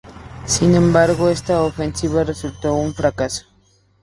Sin embargo, esta ofensiva resultó un fracaso.